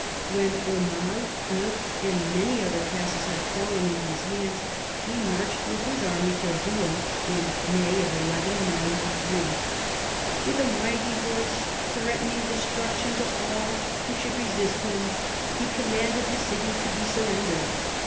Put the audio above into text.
When Aumale, Eu, and many other castles had fallen into his hands he marched with his army to Rouen in May 1193. "With a mighty voice threatening destruction to all who should resist him, he commanded the city to be surrendered.